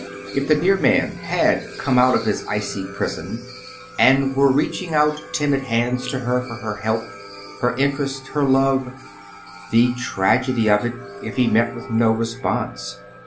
If the dear man HAD come out of his icy prison, and were reaching out timid hands to her for her help, her interest, her love the tragedy of it, if he met with no response!....